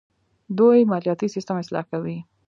دوی مالیاتي سیستم اصلاح کوي.